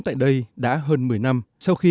tại đây đã hơn một mươi năm sau khi